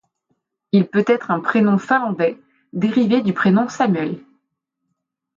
Il peut être un prénom finlandais, dérivé du prénom Samuel.